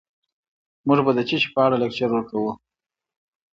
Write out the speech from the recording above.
موږ به د څه شي په اړه لکچر ورکوو